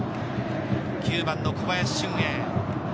９番の小林俊瑛。